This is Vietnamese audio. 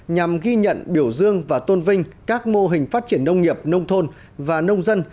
nhằm ghi nhận biểu dương và tôn vinh các mô hình phát triển nông nghiệp nông thôn và nông dân